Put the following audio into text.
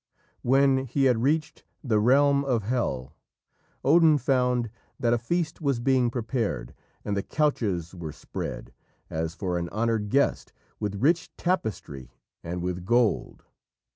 When he had reached the realm of Hel, Odin found that a feast was being prepared, and the couches were spread, as for an honoured guest, with rich tapestry and with gold.